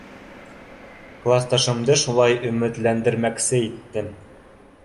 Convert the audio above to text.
— Класташымды шулай өмөтләндермәксе иттем.